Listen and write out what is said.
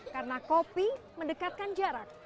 karena kopi mendekatkan jarak